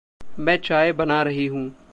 मैं चाय बना रही हूँ।